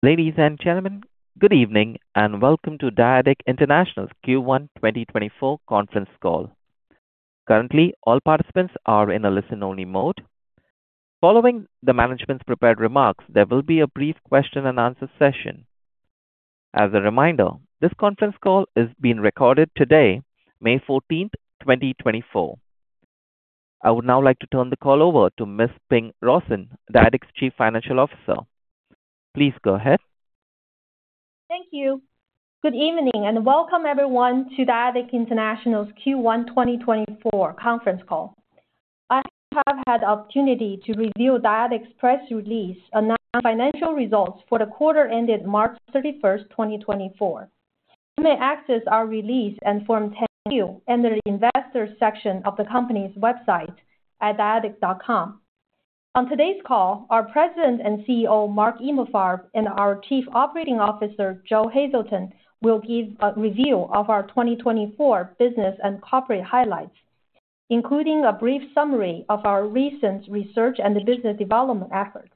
Ladies and gentlemen, good evening, and welcome to Dyadic International's Q1 2024 conference call. Currently, all participants are in a listen-only mode. Following the management's prepared remarks, there will be a brief question and answer session. As a reminder, this conference call is being recorded today, May 14, 2024. I would now like to turn the call over to Miss Ping Rawson, Dyadic's Chief Financial Officer. Please go ahead. Thank you. Good evening, and welcome everyone to Dyadic International's Q1 2024 conference call. I have had the opportunity to review Dyadic's press release on our financial results for the quarter ended March 31, 2024. You may access our release and Form 10-Q in the investors section of the company's website at dyadic.com. On today's call, our President and CEO, Mark Emalfarb, and our Chief Operating Officer, Joe Hazelton, will give a review of our 2024 business and corporate highlights, including a brief summary of our recent research and the business development efforts.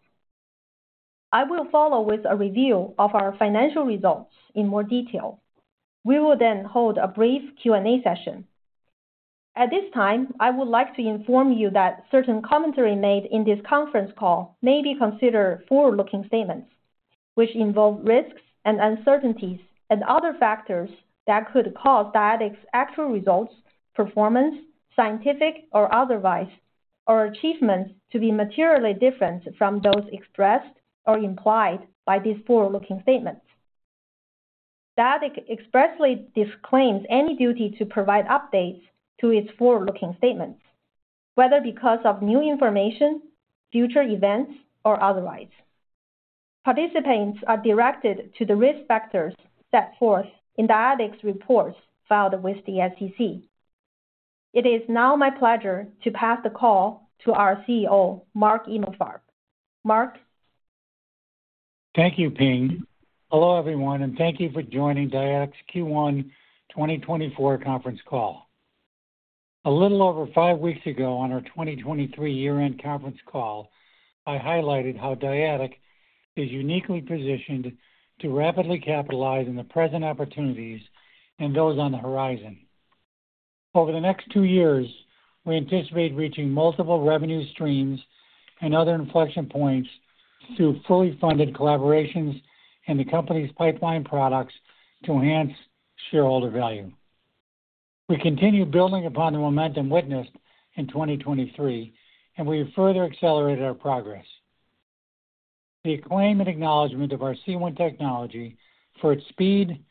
I will follow with a review of our financial results in more detail. We will then hold a brief Q&A session. At this time, I would like to inform you that certain commentary made in this conference call may be considered forward-looking statements, which involve risks and uncertainties and other factors that could cause Dyadic's actual results, performance, scientific or otherwise, or achievements, to be materially different from those expressed or implied by these forward-looking statements. Dyadic expressly disclaims any duty to provide updates to its forward-looking statements, whether because of new information, future events, or otherwise. Participants are directed to the risk factors set forth in Dyadic's reports filed with the SEC. It is now my pleasure to pass the call to our CEO, Mark Emalfarb. Mark? Thank you, Ping. Hello, everyone, and thank you for joining Dyadic's Q1 2024 conference call. A little over 5 weeks ago, on our 2023 year-end conference call, I highlighted how Dyadic is uniquely positioned to rapidly capitalize on the present opportunities and those on the horizon. Over the next 2 years, we anticipate reaching multiple revenue streams and other inflection points through fully funded collaborations and the company's pipeline products to enhance shareholder value. We continue building upon the momentum witnessed in 2023, and we have further accelerated our progress. The acclaim and acknowledgement of our C1 technology for its speed,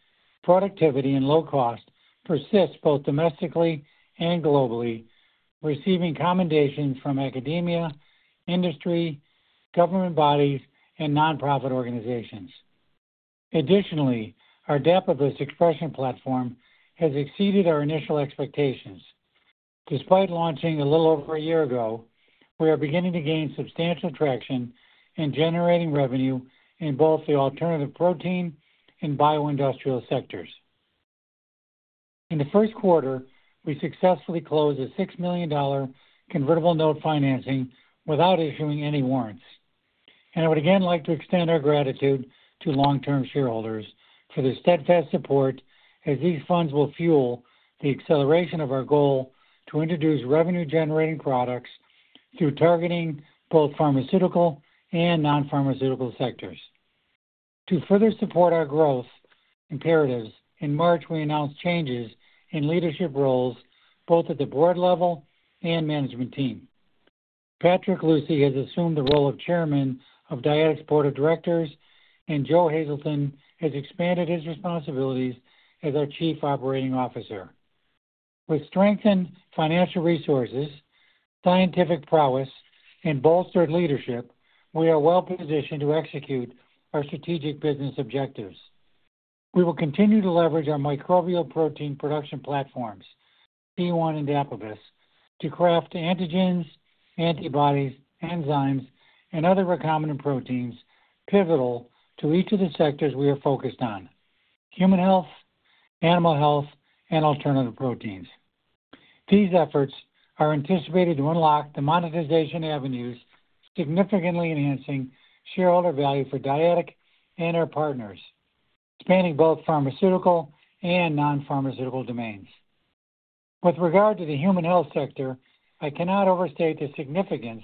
productivity, and low cost persists both domestically and globally, receiving commendations from academia, industry, government bodies, and nonprofit organizations. Additionally, our Dapibus expression platform has exceeded our initial expectations. Despite launching a little over a year ago, we are beginning to gain substantial traction in generating revenue in both the alternative protein and bioindustrial sectors. In the first quarter, we successfully closed a $6 million convertible note financing without issuing any warrants, and I would again like to extend our gratitude to long-term shareholders for their steadfast support, as these funds will fuel the acceleration of our goal to introduce revenue-generating products through targeting both pharmaceutical and non-pharmaceutical sectors. To further support our growth imperatives, in March, we announced changes in leadership roles, both at the board level and management team. Patrick Lucy has assumed the role of Chairman of Dyadic's Board of Directors, and Joe Hazelton has expanded his responsibilities as our Chief Operating Officer. With strengthened financial resources, scientific prowess, and bolstered leadership, we are well positioned to execute our strategic business objectives. We will continue to leverage our microbial protein production platforms, C1 and Dapibus, to craft antigens, antibodies, enzymes, and other recombinant proteins pivotal to each of the sectors we are focused on: human health, animal health, and alternative proteins. These efforts are anticipated to unlock the monetization avenues, significantly enhancing shareholder value for Dyadic and our partners, spanning both pharmaceutical and non-pharmaceutical domains. With regard to the human health sector, I cannot overstate the significance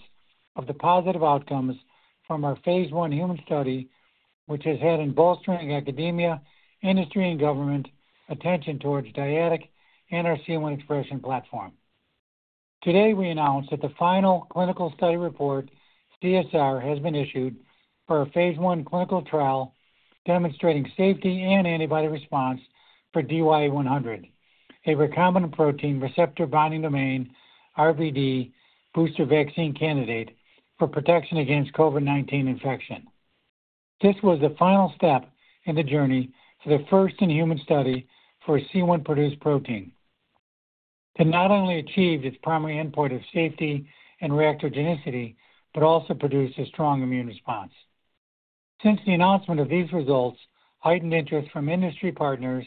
of the positive outcomes from our phase 1 human study, which has had in bolstering academia, industry, and government attention towards Dyadic and our C1 expression platform. Today, we announced that the final clinical study report, CSR, has been issued for our phase 1 clinical trial, demonstrating safety and antibody response for DYAI-100, a recombinant protein receptor binding domain, RBD, booster vaccine candidate for protection against COVID-19 infection. This was the final step in the journey to the first in human study for a C1-produced protein. It not only achieved its primary endpoint of safety and reactogenicity, but also produced a strong immune response. Since the announcement of these results, heightened interest from industry partners,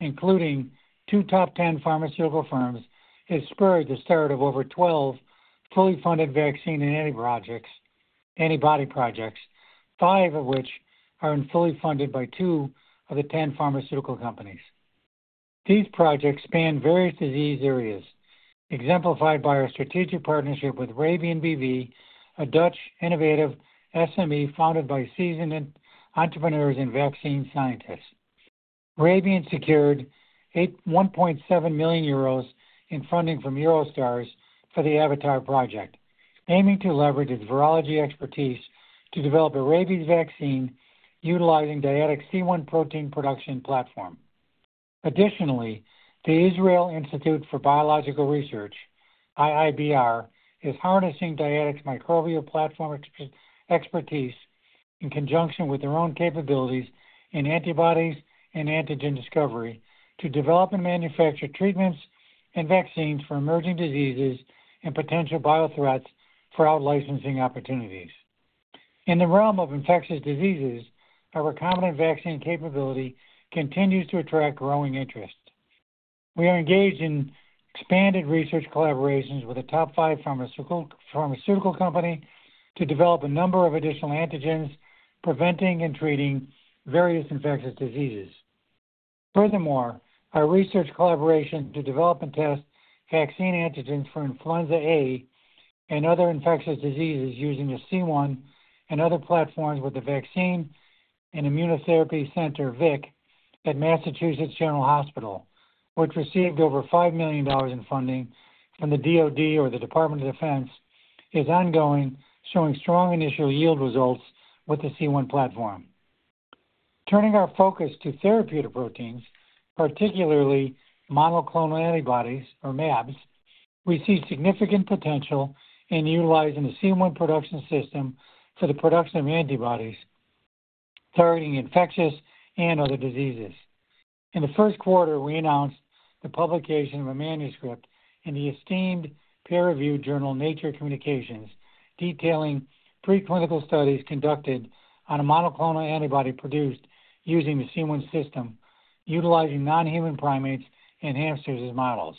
including two top ten pharmaceutical firms, has spurred the start of over 12 fully funded vaccine and antibody projects, five of which are fully funded by two of the ten pharmaceutical companies. These projects span various disease areas, exemplified by our strategic partnership with Rubian BV, a Dutch innovative SME founded by seasoned entrepreneurs and vaccine scientists. Rabian secured 1.7 million euros in funding from Eurostars for the AVATAR project, aiming to leverage its virology expertise to develop a rabies vaccine utilizing Dyadic's C1 protein production platform. Additionally, the Israel Institute for Biological Research, IIBR, is harnessing Dyadic's microbial platform expertise in conjunction with their own capabilities in antibodies and antigen discovery, to develop and manufacture treatments and vaccines for emerging diseases and potential biothreats for out-licensing opportunities. In the realm of infectious diseases, our recombinant vaccine capability continues to attract growing interest. We are engaged in expanded research collaborations with a top five pharmaceutical company to develop a number of additional antigens, preventing and treating various infectious diseases. Furthermore, our research collaboration to develop and test vaccine antigens for influenza A and other infectious diseases using the C1 and other platforms with the Vaccine and Immunotherapy Center, VIC, at Massachusetts General Hospital, which received over $5 million in funding from the DoD or the Department of Defense, is ongoing, showing strong initial yield results with the C1 platform. Turning our focus to therapeutic proteins, particularly monoclonal antibodies or mAbs, we see significant potential in utilizing the C1 production system for the production of antibodies, targeting infectious and other diseases. In the first quarter, we announced the publication of a manuscript in the esteemed peer-reviewed journal, Nature Communications, detailing preclinical studies conducted on a monoclonal antibody produced using the C1 system, utilizing non-human primates and hamsters as models.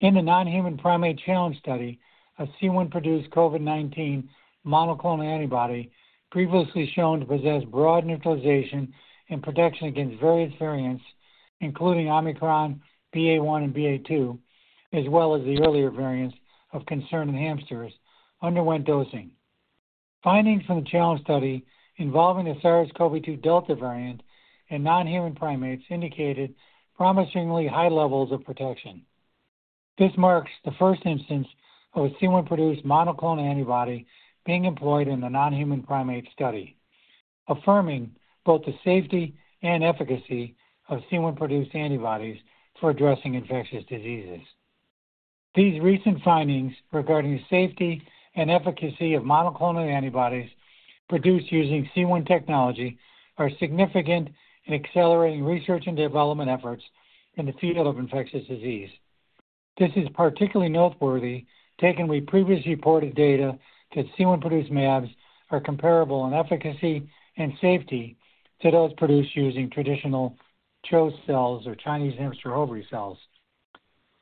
In the non-human primate challenge study, a C1-produced COVID-19 monoclonal antibody, previously shown to possess broad neutralization and protection against various variants, including Omicron, BA.1 and BA.2, as well as the earlier variants of concern in hamsters, underwent dosing. Findings from the challenge study involving the SARS-CoV-2 Delta variant in non-human primates indicated promisingly high levels of protection. This marks the first instance of a C1-produced monoclonal antibody being employed in a non-human primate study, affirming both the safety and efficacy of C1-produced antibodies for addressing infectious diseases. These recent findings regarding the safety and efficacy of monoclonal antibodies produced using C1 technology are significant in accelerating research and development efforts in the field of infectious disease. This is particularly noteworthy, taking we previously reported data that C1-produced mAbs are comparable in efficacy and safety to those produced using traditional CHO cells or Chinese hamster ovary cells.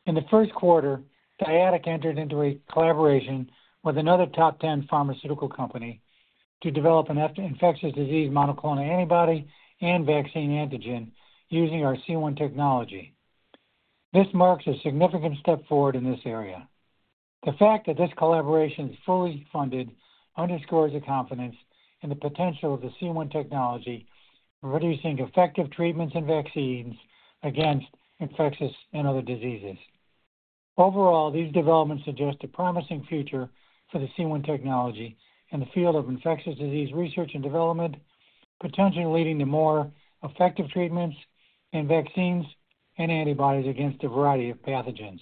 In the first quarter, Dyadic entered into a collaboration with another top ten pharmaceutical company to develop an infectious disease, monoclonal antibody, and vaccine antigen using our C1 technology. This marks a significant step forward in this area. The fact that this collaboration is fully funded underscores the confidence in the potential of the C1 technology in producing effective treatments and vaccines against infectious and other diseases. Overall, these developments suggest a promising future for the C1 technology in the field of infectious disease research and development, potentially leading to more effective treatments and vaccines and antibodies against a variety of pathogens.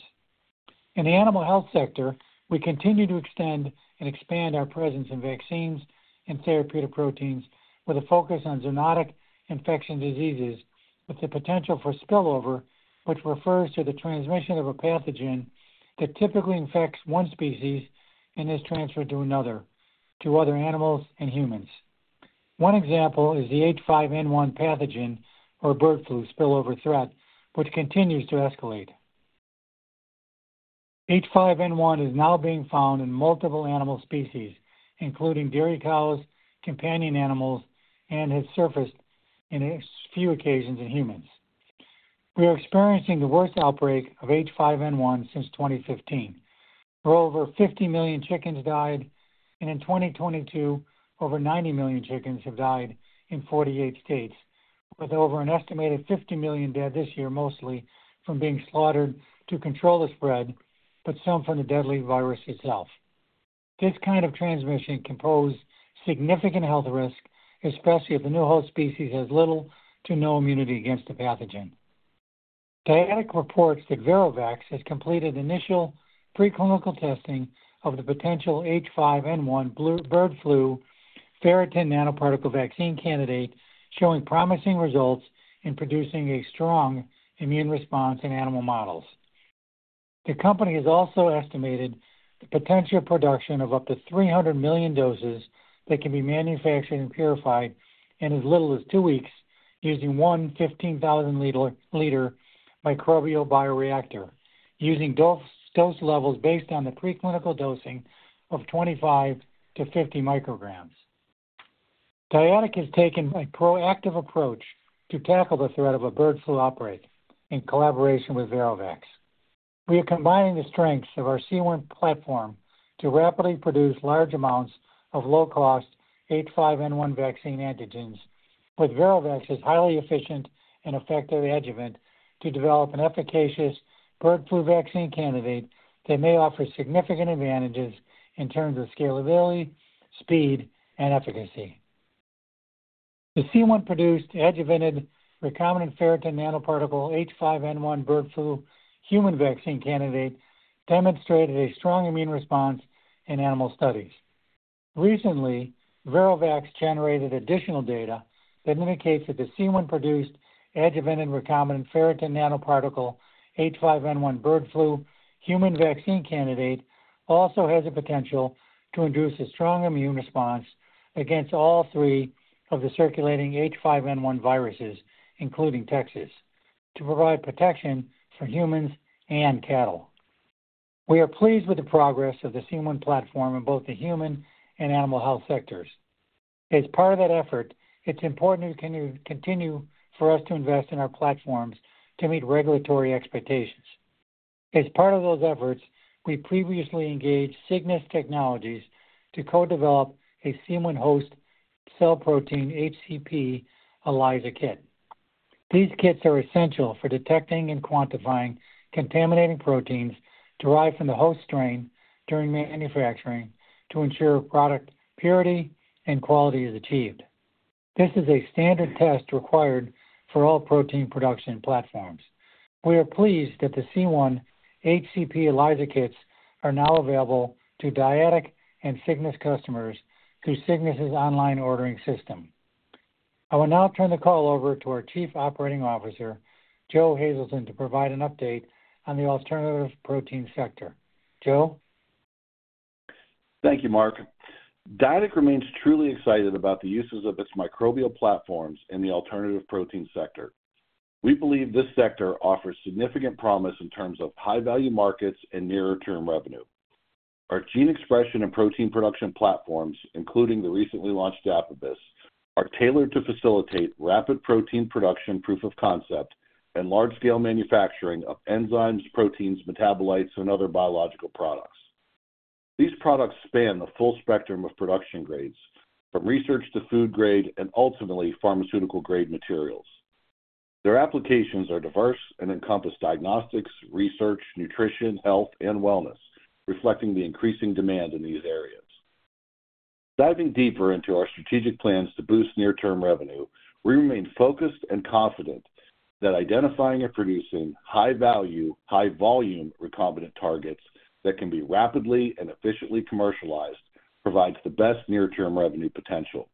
In the animal health sector, we continue to extend and expand our presence in vaccines and therapeutic proteins with a focus on zoonotic infectious diseases, with the potential for spillover, which refers to the transmission of a pathogen that typically infects one species and is transferred to another, to other animals and humans. One example is the H5N1 pathogen or bird flu spillover threat, which continues to escalate. H5N1 is now being found in multiple animal species, including dairy cows, companion animals, and has surfaced in a few occasions in humans. We are experiencing the worst outbreak of H5N1 since 2015, where over 50 million chickens died, and in 2022, over 90 million chickens have died in 48 states, with over an estimated 50 million dead this year, mostly from being slaughtered to control the spread, but some from the deadly virus itself. This kind of transmission can pose significant health risk, especially if the new host species has little to no immunity against the pathogen. Dyadic reports that ViroVax has completed initial preclinical testing of the potential H5N1 bird flu ferritin nanoparticle vaccine candidate, showing promising results in producing a strong immune response in animal models.... The company has also estimated the potential production of up to 300 million doses that can be manufactured and purified in as little as two weeks, using one 15,000-liter microbial bioreactor, using dose levels based on the preclinical dosing of 25-50 micrograms. Dyadic has taken a proactive approach to tackle the threat of a bird flu outbreak in collaboration with ViroVax. We are combining the strengths of our C1 platform to rapidly produce large amounts of low-cost H5N1 vaccine antigens, with ViroVax's highly efficient and effective adjuvant to develop an efficacious bird flu vaccine candidate that may offer significant advantages in terms of scalability, speed, and efficacy. The C1-produced adjuvanted recombinant ferritin nanoparticle H5N1 bird flu human vaccine candidate demonstrated a strong immune response in animal studies. Recently, ViroVax generated additional data that indicates that the C1-produced adjuvanted recombinant ferritin nanoparticle H5N1 bird flu human vaccine candidate also has the potential to induce a strong immune response against all three of the circulating H5N1 viruses, including Texas, to provide protection for humans and cattle. We are pleased with the progress of the C1 platform in both the human and animal health sectors. As part of that effort, it's important to continue for us to invest in our platforms to meet regulatory expectations. As part of those efforts, we previously engaged Cygnus Technologies to co-develop a C1 host cell protein HCP ELISA kit. These kits are essential for detecting and quantifying contaminating proteins derived from the host strain during manufacturing to ensure product purity and quality is achieved. This is a standard test required for all protein production platforms. We are pleased that the C1 HCP ELISA kits are now available to Dyadic and Cygnus customers through Cygnus's online ordering system. I will now turn the call over to our Chief Operating Officer, Joe Hazelton, to provide an update on the alternative protein sector. Joe? Thank you, Mark. Dyadic remains truly excited about the uses of its microbial platforms in the alternative protein sector. We believe this sector offers significant promise in terms of high-value markets and nearer-term revenue. Our gene expression and protein production platforms, including the recently launched Dapibus, are tailored to facilitate rapid protein production, proof of concept, and large-scale manufacturing of enzymes, proteins, metabolites, and other biological products. These products span the full spectrum of production grades, from research to food grade and ultimately pharmaceutical grade materials. Their applications are diverse and encompass diagnostics, research, nutrition, health, and wellness, reflecting the increasing demand in these areas. Diving deeper into our strategic plans to boost near-term revenue, we remain focused and confident that identifying and producing high-value, high-volume recombinant targets that can be rapidly and efficiently commercialized provides the best near-term revenue potential.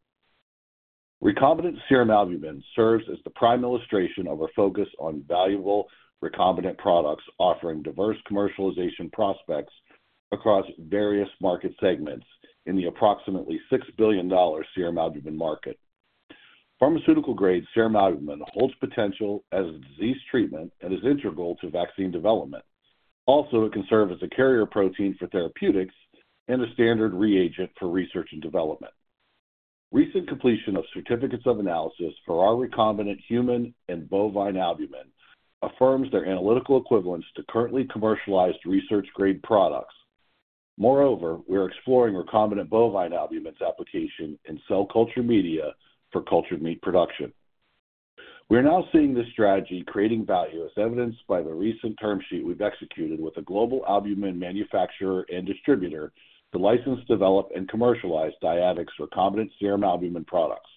Recombinant serum albumin serves as the prime illustration of our focus on valuable recombinant products, offering diverse commercialization prospects across various market segments in the approximately $6 billion serum albumin market. Pharmaceutical-grade serum albumin holds potential as a disease treatment and is integral to vaccine development. Also, it can serve as a carrier protein for therapeutics and a standard reagent for research and development. Recent completion of certificates of analysis for our recombinant human and bovine albumin affirms their analytical equivalence to currently commercialized research-grade products. Moreover, we are exploring recombinant bovine albumin's application in cell culture media for cultured meat production. We are now seeing this strategy creating value, as evidenced by the recent term sheet we've executed with a global albumin manufacturer and distributor to license, develop, and commercialize Dyadic's recombinant serum albumin products.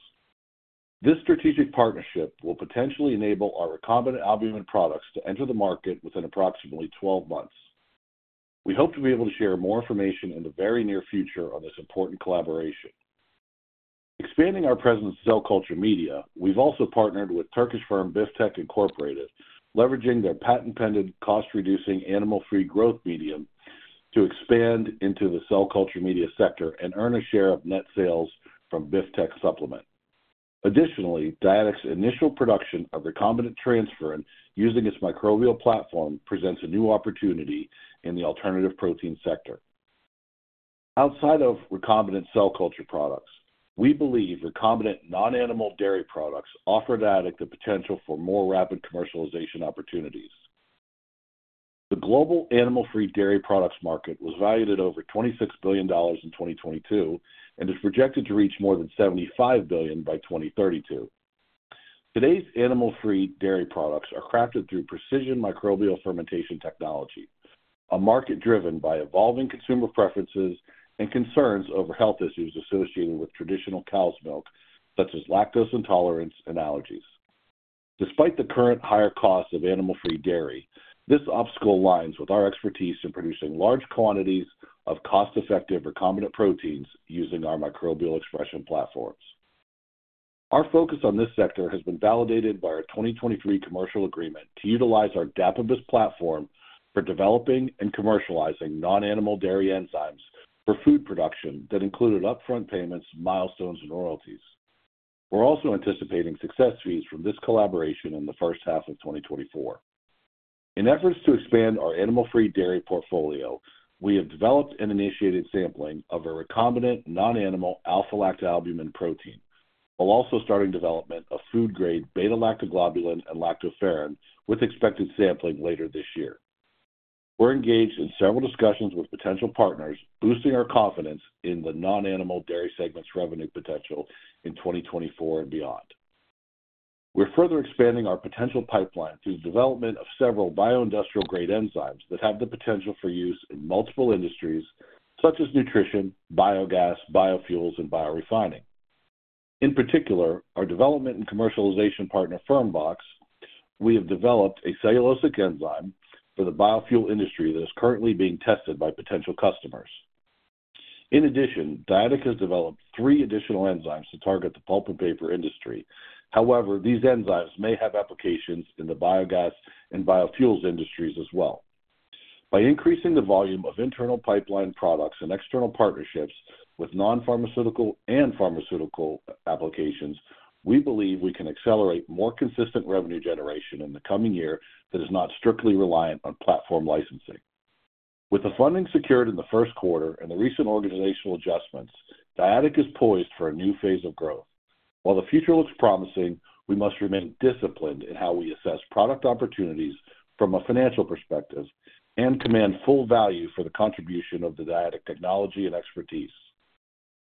This strategic partnership will potentially enable our recombinant albumin products to enter the market within approximately 12 months. We hope to be able to share more information in the very near future on this important collaboration. Expanding our presence in cell culture media, we've also partnered with Turkish firm Biftek Incorporated, leveraging their patent-pending, cost-reducing, animal-free growth medium to expand into the cell culture media sector and earn a share of net sales from Biftek Supplement. Additionally, Dyadic's initial production of recombinant transferrin using its microbial platform presents a new opportunity in the alternative protein sector. Outside of recombinant cell culture products, we believe recombinant non-animal dairy products offer Dyadic the potential for more rapid commercialization opportunities. The global animal-free dairy products market was valued at over $26 billion in 2022, and is projected to reach more than $75 billion by 2032. Today's animal-free dairy products are crafted through precision microbial fermentation technology, a market driven by evolving consumer preferences and concerns over health issues associated with traditional cow's milk, such as lactose intolerance and allergies. Despite the current higher cost of animal-free dairy, this obstacle aligns with our expertise in producing large quantities of cost-effective recombinant proteins using our microbial expression platforms. Our focus on this sector has been validated by our 2023 commercial agreement to utilize our Dapibus platform for developing and commercializing non-animal dairy enzymes for food production that included upfront payments, milestones, and royalties. We're also anticipating success fees from this collaboration in the first half of 2024. In efforts to expand our animal-free dairy portfolio, we have developed and initiated sampling of a recombinant non-animal alpha-lactalbumin protein, while also starting development of food-grade beta-lactoglobulin and lactoferrin, with expected sampling later this year. We're engaged in several discussions with potential partners, boosting our confidence in the non-animal dairy segment's revenue potential in 2024 and beyond. We're further expanding our potential pipeline through the development of several bioindustrial-grade enzymes that have the potential for use in multiple industries such as nutrition, biogas, biofuels, and biorefining. In particular, our development and commercialization partner, Fermbox Bio, we have developed a cellulosic enzyme for the biofuel industry that is currently being tested by potential customers. In addition, Dyadic has developed three additional enzymes to target the pulp and paper industry. However, these enzymes may have applications in the biogas and biofuels industries as well. By increasing the volume of internal pipeline products and external partnerships with non-pharmaceutical and pharmaceutical applications, we believe we can accelerate more consistent revenue generation in the coming year that is not strictly reliant on platform licensing. With the funding secured in the first quarter and the recent organizational adjustments, Dyadic is poised for a new phase of growth. While the future looks promising, we must remain disciplined in how we assess product opportunities from a financial perspective and command full value for the contribution of the Dyadic technology and expertise.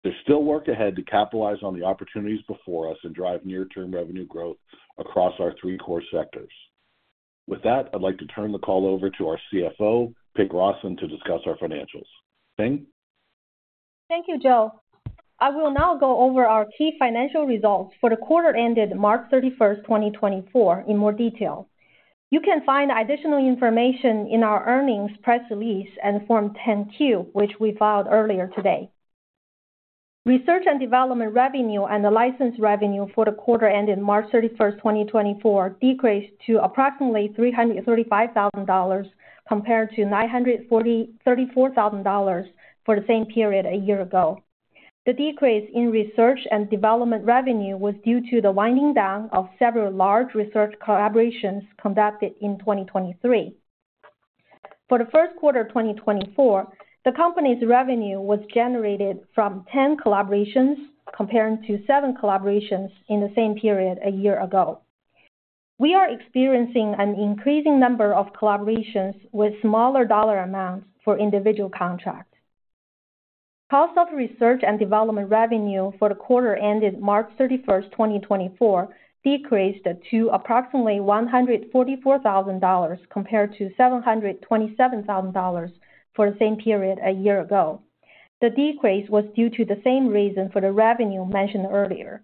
There's still work ahead to capitalize on the opportunities before us and drive near-term revenue growth across our three core sectors. With that, I'd like to turn the call over to our CFO, Ping Rawson, to discuss our financials. Ping? Thank you, Joe. I will now go over our key financial results for the quarter ended March 31, 2024 in more detail. You can find additional information in our earnings press release and Form 10-Q, which we filed earlier today. Research and development revenue and the license revenue for the quarter ended March 31, 2024, decreased to approximately $335,000 compared to $934,000 for the same period a year ago. The decrease in research and development revenue was due to the winding down of several large research collaborations conducted in 2023. For the first quarter of 2024, the company's revenue was generated from 10 collaborations, comparing to 7 collaborations in the same period a year ago. We are experiencing an increasing number of collaborations with smaller dollar amounts for individual contracts. Cost of research and development revenue for the quarter ended March 31, 2024, decreased to approximately $144,000 compared to $727,000 for the same period a year ago. The decrease was due to the same reason for the revenue mentioned earlier.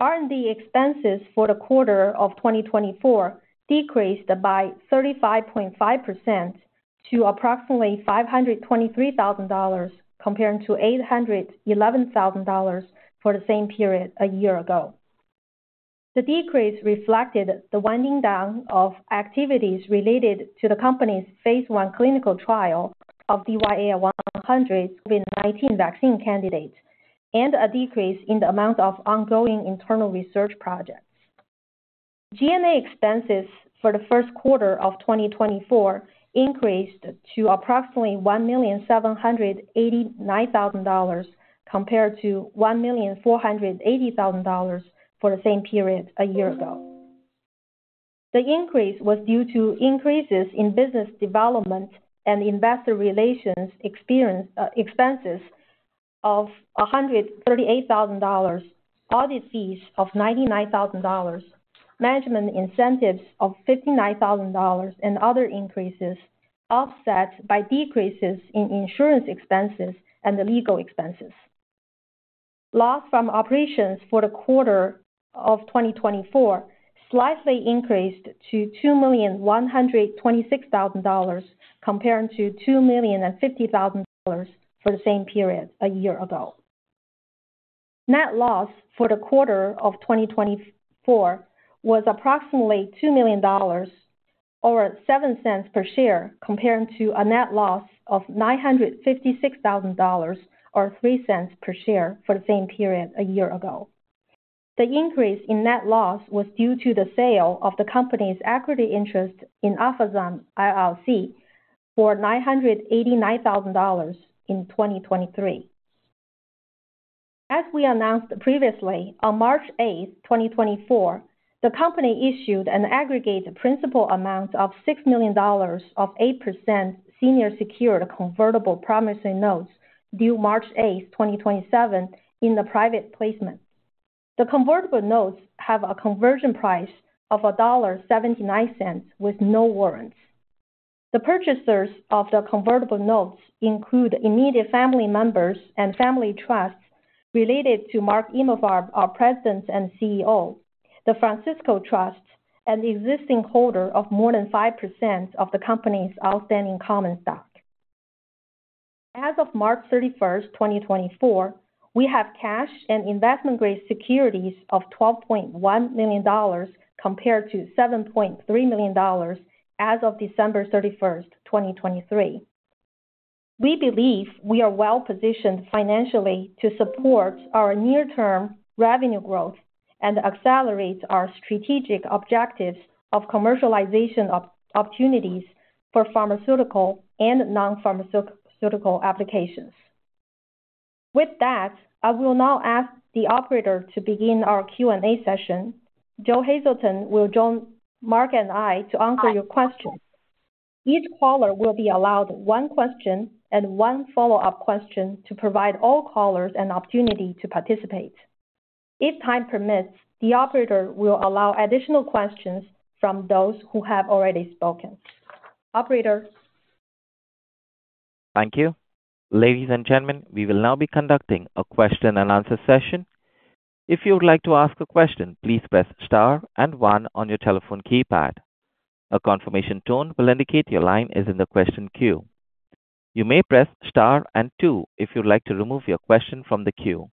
R&D expenses for the quarter of 2024 decreased by 35.5% to approximately $523,000, comparing to $811,000 for the same period a year ago. The decrease reflected the winding down of activities related to the company's phase I clinical trial of DYAI-100 COVID-19 vaccine candidate, and a decrease in the amount of ongoing internal research projects. G&A expenses for the first quarter of 2024 increased to approximately $1,789,000, compared to $1,480,000 for the same period a year ago. The increase was due to increases in business development and investor relations expenses of $138,000, audit fees of $99,000, management incentives of $59,000, and other increases, offset by decreases in insurance expenses and the legal expenses. Loss from operations for the quarter of 2024 slightly increased to $2,126,000, comparing to $2,050,000 for the same period a year ago. Net loss for the quarter of 2024 was approximately $2 million, or 7 cents per share, comparing to a net loss of $956,000, or 3 cents per share, for the same period a year ago. The increase in net loss was due to the sale of the company's equity interest in Alphazyme LLC for $989,000 in 2023. As we announced previously, on March 8, 2024, the company issued an aggregate principal amount of $6 million of 8% senior secured convertible promissory notes due March 8, 2027, in the private placement. The convertible notes have a conversion price of $1.79 with no warrants. The purchasers of the convertible notes include immediate family members and family trusts related to Mark Emalfarb, our President and CEO, the Francisco Trust, an existing holder of more than 5% of the company's outstanding common stock. As of March 31st, 2024, we have cash and investment-grade securities of $12.1 million compared to $7.3 million as of December 31st, 2023. We believe we are well-positioned financially to support our near-term revenue growth and accelerate our strategic objectives of commercialization opportunities for pharmaceutical and non-pharmaceutical applications. With that, I will now ask the operator to begin our Q&A session. Joe Hazelton will join Mark and I to answer your questions. Each caller will be allowed one question and one follow-up question to provide all callers an opportunity to participate. If time permits, the operator will allow additional questions from those who have already spoken. Operator? Thank you. Ladies and gentlemen, we will now be conducting a question-and-answer session. If you would like to ask a question, please press Star and One on your telephone keypad. A confirmation tone will indicate your line is in the question queue. You may press Star and Two if you'd like to remove your question from the queue.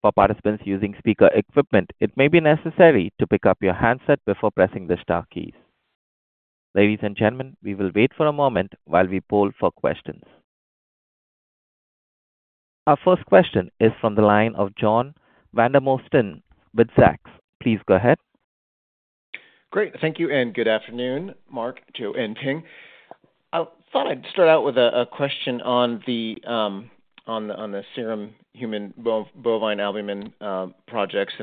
For participants using speaker equipment, it may be necessary to pick up your handset before pressing the star key. Ladies and gentlemen, we will wait for a moment while we poll for questions. Our first question is from the line of John Vandermosten with Zacks. Please go ahead. Great. Thank you, and good afternoon, Mark, Joe, and Ping. I thought I'd start out with a question on the serum human bovine albumin projects,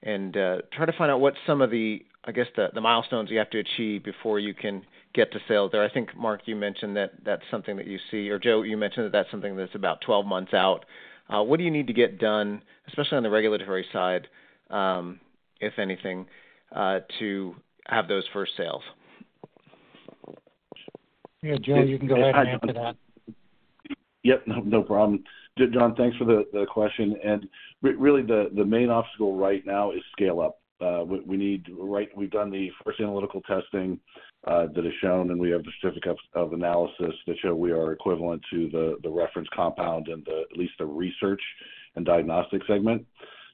and try to find out what some of the, I guess, the milestones you have to achieve before you can get to sales there. I think, Mark, you mentioned that that's something that you see or Joe, you mentioned that that's something that's about 12 months out. What do you need to get done, especially on the regulatory side, if anything, to have those first sales? Yeah, Joe, you can go ahead and answer that. Yep, no, no problem. John, thanks for the question. And really, the main obstacle right now is scale up. We need -- we've done the first analytical testing that has shown, and we have the certificate of analysis that show we are equivalent to the reference compound and at least the research and diagnostic segment.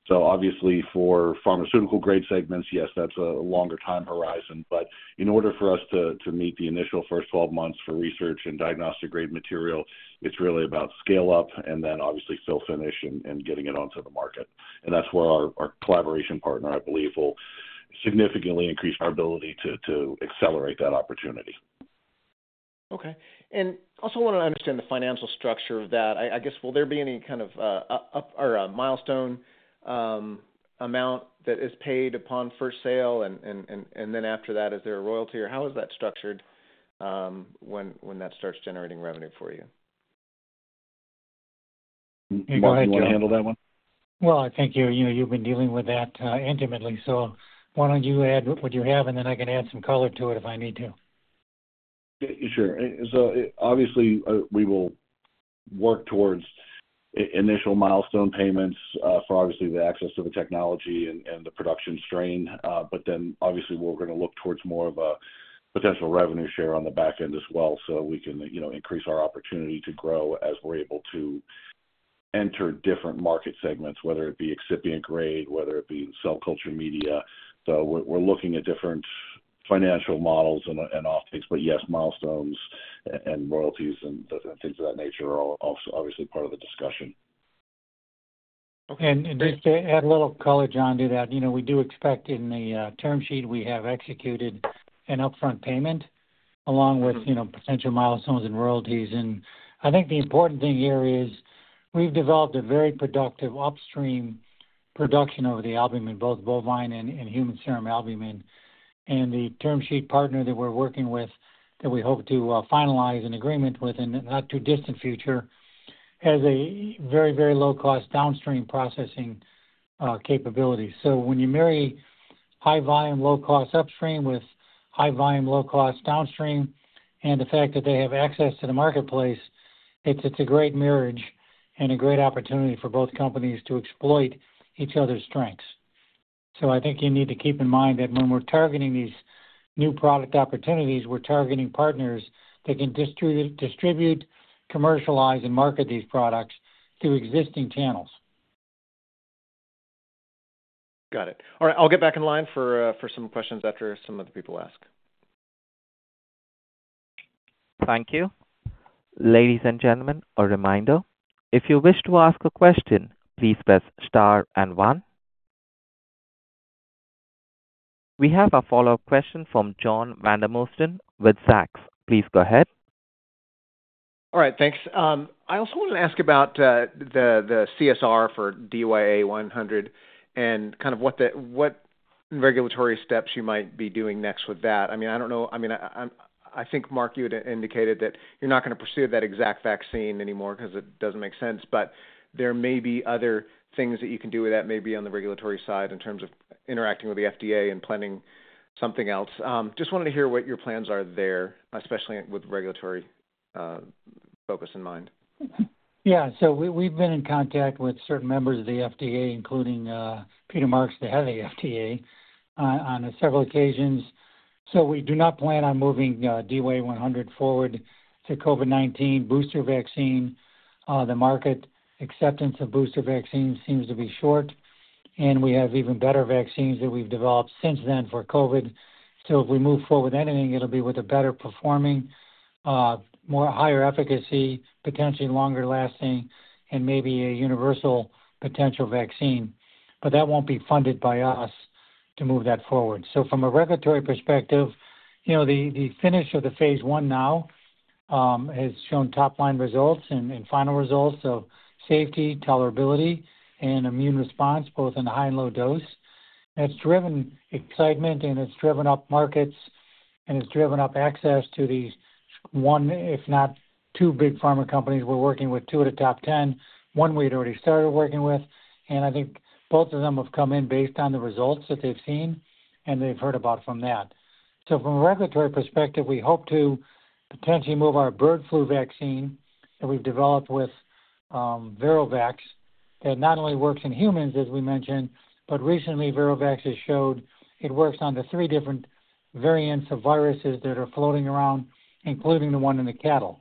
So obviously, for pharmaceutical grade segments, yes, that's a longer time horizon. But in order for us to meet the initial first 12 months for research and diagnostic grade material, it's really about scale up and then obviously fill finish and getting it onto the market. And that's where our collaboration partner, I believe, will significantly increase our ability to accelerate that opportunity. Okay. And also want to understand the financial structure of that. I guess, will there be any kind of upfront or milestone amount that is paid upon first sale? And then after that, is there a royalty, or how is that structured, when that starts generating revenue for you? Mark, you want to handle that one? Well, I think you've been dealing with that intimately, so why don't you add what you have, and then I can add some color to it if I need to. Sure. And so obviously, we will work towards initial milestone payments for obviously the access to the technology and the production strain. But then obviously we're going to look towards more of a potential revenue share on the back end as well, so we can, you know, increase our opportunity to grow as we're able to enter different market segments, whether it be excipient grade, whether it be cell culture media. So we're looking at different financial models and optics, but yes, milestones and royalties and things of that nature are also obviously part of the discussion. Okay, and just to add a little color, John, to that, you know, we do expect in the term sheet, we have executed an upfront payment along with, you know, potential milestones and royalties. And I think the important thing here is we've developed a very productive upstream production over the albumin, both bovine and human serum albumin. And the term sheet partner that we're working with, that we hope to finalize an agreement with in the not too distant future, has a very, very low-cost downstream processing capability. So when you marry high volume, low-cost upstream with high volume, low-cost downstream, and the fact that they have access to the marketplace, it's a great marriage and a great opportunity for both companies to exploit each other's strengths. I think you need to keep in mind that when we're targeting these new product opportunities, we're targeting partners that can distribute, commercialize, and market these products through existing channels. Got it. All right, I'll get back in line for, for some questions after some other people ask. Thank you. Ladies and gentlemen, a reminder, if you wish to ask a question, please press Star and One. We have a follow-up question from John Vandermosten with Zacks. Please go ahead. All right, thanks. I also wanted to ask about the CSR for DYAI-100 and kind of what the regulatory steps you might be doing next with that. I mean, I don't know... I mean, I think, Mark, you had indicated that you're not going to pursue that exact vaccine anymore because it doesn't make sense. But there may be other things that you can do with that, maybe on the regulatory side, in terms of interacting with the FDA and planning something else. Just wanted to hear what your plans are there, especially with regulatory focus in mind.... Yeah, so we, we've been in contact with certain members of the FDA, including, Peter Marks, the head of the FDA, on several occasions. So we do not plan on moving, DYAI-100 forward to COVID-19 booster vaccine. The market acceptance of booster vaccines seems to be short, and we have even better vaccines that we've developed since then for COVID. So if we move forward with anything, it'll be with a better performing, more higher efficacy, potentially longer lasting and maybe a universal potential vaccine. But that won't be funded by us to move that forward. So from a regulatory perspective, you know, the, the finish of the phase 1 now, has shown top-line results and, and final results of safety, tolerability, and immune response, both in the high and low dose. It's driven excitement, and it's driven up markets, and it's driven up access to these 1, if not 2, big pharma companies. We're working with 2 of the top 10, one we'd already started working with, and I think both of them have come in based on the results that they've seen and they've heard about from that. So from a regulatory perspective, we hope to potentially move our bird flu vaccine that we've developed with ViroVax, that not only works in humans, as we mentioned, but recently ViroVax has showed it works on the 3 different variants of viruses that are floating around, including the one in the cattle.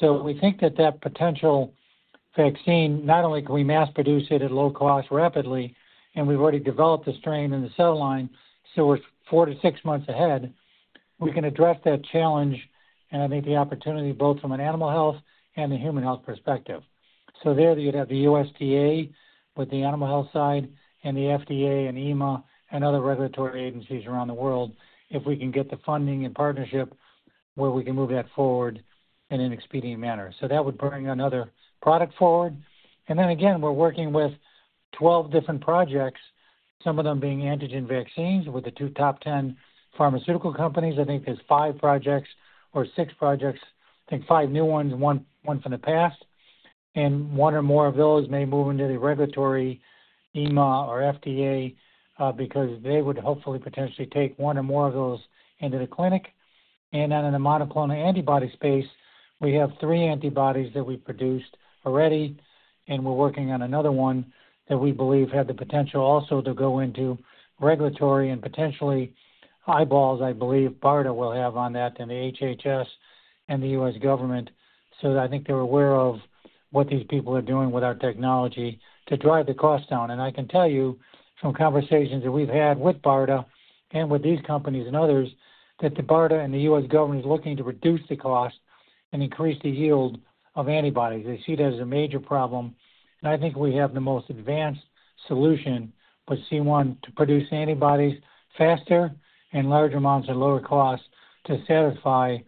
So we think that that potential vaccine, not only can we mass produce it at low cost rapidly, and we've already developed the strain in the cell line, so we're 4-6 months ahead, we can address that challenge, and I think the opportunity, both from an animal health and a human health perspective. So there you'd have the USDA with the animal health side and the FDA and EMA and other regulatory agencies around the world, if we can get the funding and partnership where we can move that forward in an expedient manner. So that would bring another product forward. And then again, we're working with 12 different projects, some of them being antigen vaccines with the two top ten pharmaceutical companies. I think there's 5 projects or 6 projects, I think 5 new ones, one, one from the past, and one or more of those may move into the regulatory EMA or FDA, because they would hopefully potentially take one or more of those into the clinic. And then in the monoclonal antibody space, we have 3 antibodies that we produced already, and we're working on another one that we believe have the potential also to go into regulatory and potentially eyeballs, I believe, BARDA will have on that, and the HHS and the U.S. government. So I think they're aware of what these people are doing with our technology to drive the cost down. I can tell you from conversations that we've had with BARDA and with these companies and others, that the BARDA and the U.S. government is looking to reduce the cost and increase the yield of antibodies. They see that as a major problem, and I think we have the most advanced solution for C1 to produce antibodies faster and large amounts at lower cost to satisfy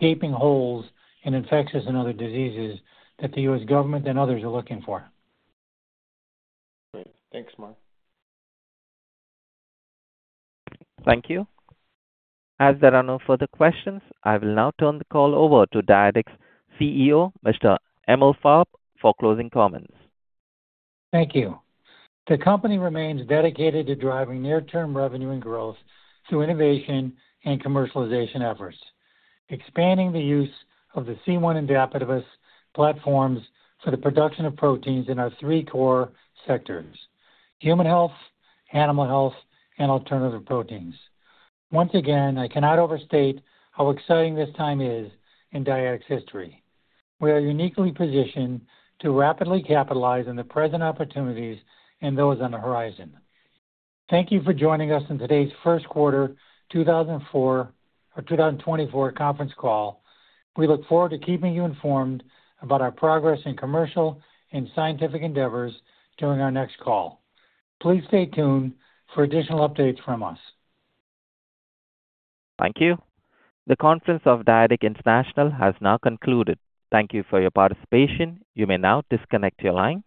gaping holes in infectious and other diseases that the U.S. government and others are looking for. Great. Thanks, Mark. Thank you. As there are no further questions, I will now turn the call over to Dyadic's CEO, Mr. Mark Emalfarb, for closing comments. Thank you. The company remains dedicated to driving near-term revenue and growth through innovation and commercialization efforts, expanding the use of the C1 and Dapibus platforms for the production of proteins in our three core sectors: human health, animal health, and alternative proteins. Once again, I cannot overstate how exciting this time is in Dyadic's history. We are uniquely positioned to rapidly capitalize on the present opportunities and those on the horizon. Thank you for joining us on today's first quarter 2004, or 2024 conference call. We look forward to keeping you informed about our progress in commercial and scientific endeavors during our next call. Please stay tuned for additional updates from us. Thank you. The conference of Dyadic International has now concluded. Thank you for your participation. You may now disconnect your line.